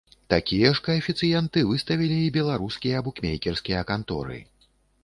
Такія ж каэфіцыенты выставілі і беларускія букмекерскія канторы.